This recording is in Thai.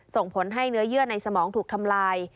ส่งผลให้เนื้อเยื่อในสมองถูกทำลาย